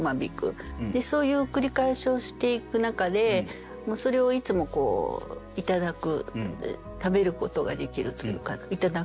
そういう繰り返しをしていく中でそれをいつも食べることができるというかいただく。